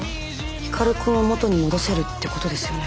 光くんを元に戻せるってことですよね？